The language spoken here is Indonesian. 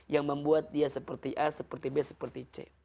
yang membuat dia seperti a seperti b seperti c